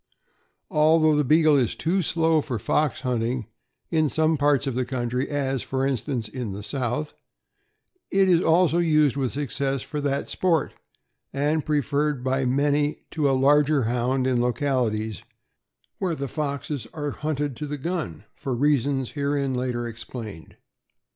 Although the Beagle is too slow for fox hunting, in some parts of the country, as, for instance, in the South, it is also used with success for that sport, and preferred by many to a larger Hound in localities where the foxes are hunted to the gun, for reasons herein later explained.